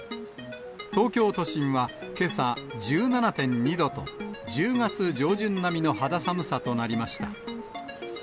東京都心はけさ、１７．２度と、１０月上旬並みの肌寒さとなりました。